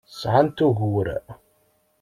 Sɛant ugur.